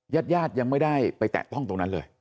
ญาติญาติยังไม่ได้ไปแตะต้องตรงนั้นเลย